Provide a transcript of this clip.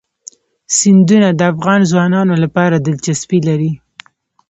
سیندونه د افغان ځوانانو لپاره دلچسپي لري.